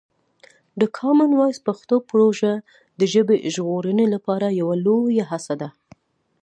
د کامن وایس پښتو پروژه د ژبې ژغورنې لپاره یوه لویه هڅه ده.